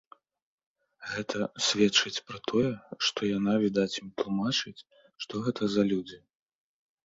Гэта сведчыць пра тое, што яна, відаць, ім тлумачыць, што гэта за людзі.